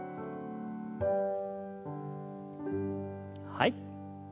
はい。